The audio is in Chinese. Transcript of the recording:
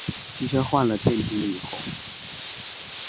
机车换了电瓶以后